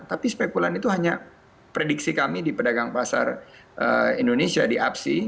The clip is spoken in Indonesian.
tapi spekulan itu hanya prediksi kami di pedagang pasar indonesia di apsi